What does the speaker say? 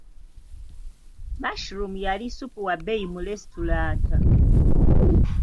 Mushroom yali ssupu wa bbeyi mu lesitulanta.